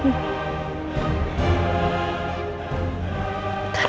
aku mau kamu sehat terus